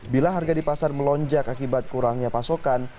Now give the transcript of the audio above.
bila harga di pasar melonjak akibat kurangnya pasokan